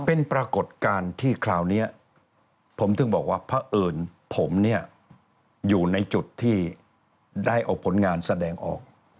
เป็นปรากฏการณ์ที่คราวนี้ผมถึงบอกว่าพระเอิญผมเนี่ยอยู่ในจุดที่ได้เอาผลงานแสดงออก